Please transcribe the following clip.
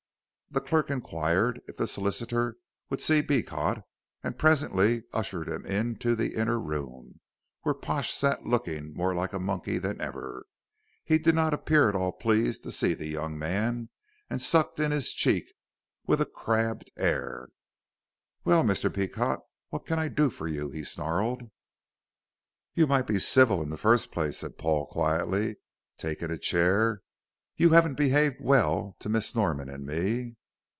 The clerk inquired if the solicitor would see Beecot, and presently ushered him into the inner room, where Pash sat looking more like a monkey than ever. He did not appear at all pleased to see the young man, and sucked in his cheek with a crabbed air. "Well, Mr. Beecot, what can I do for you?" he snarled. "You might be civil in the first place," said Paul quietly, taking a chair. "You haven't behaved over well to Miss Norman and me."